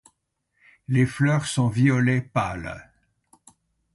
Les fleurs sont violet pâle.